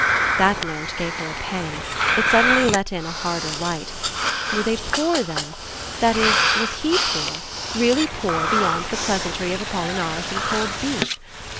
That note gave her a pang it suddenly let in a harder light. Were they poor then, that is was HE poor, really poor beyond the pleasantry of apollinaris and cold beef?